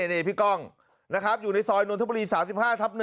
นี่พี่ก้องนะครับอยู่ในซอยนนทบุรี๓๕ทับ๑